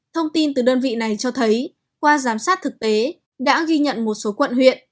thông tin từ đơn vị này cho thấy qua giám sát thực tế đã ghi nhận một số quận huyện